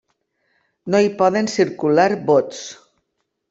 No hi poden circular bots.